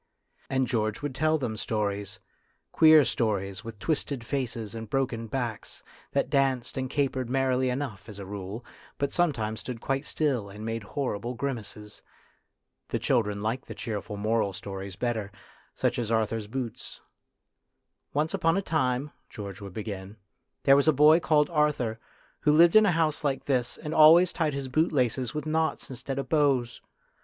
248 FATE AND THE ARTIST And George would tell them stories queer stories with twisted faces and broken backs, that danced and capered merrily enough as a rule, but sometimes stood quite still and made horrible grimaces. The children liked the cheerful moral stories better, such as Arthur's Boots. "Once upon a time," George would begin, " there was a boy called Arthur, who lived in a house like this, and always tied his bootlaces with knots instead of bows.